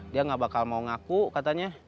dia gak bakal mau ngaku katanya